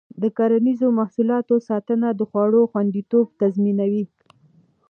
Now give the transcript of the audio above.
د کرنیزو محصولاتو ساتنه د خوړو خوندیتوب تضمینوي.